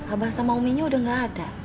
abah sama uminya udah gak ada